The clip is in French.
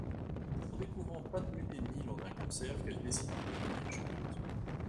C’est en découvrant Pat Metheny lors d'un concert qu’elle décide de devenir chanteuse.